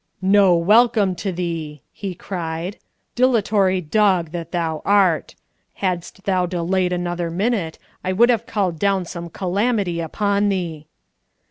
"No welcome to thee!" he cried. "Dilatory dog that thou art! Hadst thou delayed another minute, I would have called down some calamity upon thee."